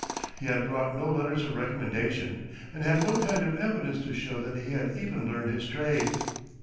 He had brought no letters of recommendation, and had no kind of evidence to show that he had even learned his trade.